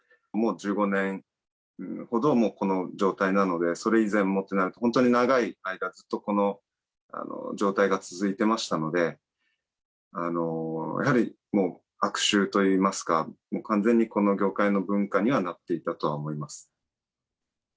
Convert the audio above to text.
もう１５年ほど、この状態なので、それ以前も、本当に長い間、ずっとこの状態が続いてましたので、やはりもう悪習といいますか、完全にこの業界の文化にはなっていたとは思います。